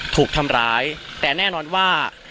ถูกทำร้ายแต่แน่นอนว่า